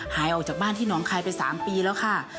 หายออกจากบ้านที่หนองคายไป๓ปีแล้วค่ะ